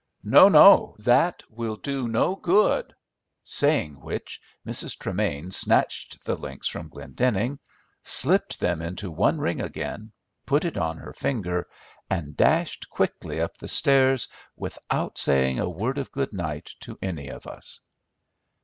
"No, no, that will do no good." Saying which Mrs. Tremain snatched the links from Glendenning, slipped them into one ring again, put it on her finger, and dashed quickly up the stairs without saying a word of good night to any of us.